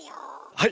はい！